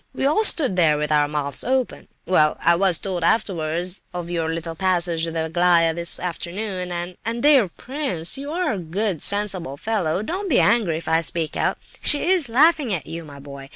We all stood there with our mouths open. Well, I was told afterwards of your little passage with Aglaya this afternoon, and—and—dear prince—you are a good, sensible fellow, don't be angry if I speak out—she is laughing at you, my boy!